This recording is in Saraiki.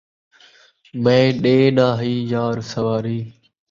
میں ݙے نہ ہئی یار سواری